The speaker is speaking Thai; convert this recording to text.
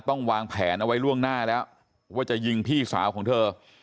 วางแผนเอาไว้ล่วงหน้าแล้วว่าจะยิงพี่สาวของเธอ